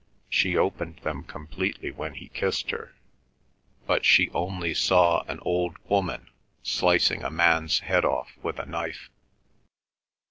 She opened them completely when he kissed her. But she only saw an old woman slicing a man's head off with a knife.